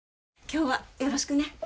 今日はよろしくね。